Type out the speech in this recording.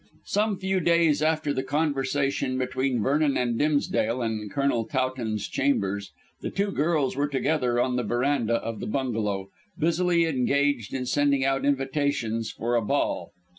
Some few days after the conversation between Vernon and Dimsdale in Colonel Towton's chambers, the two girls were together on the verandah of the bungalow, busily engaged in sending out invitations for a ball.